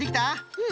うん。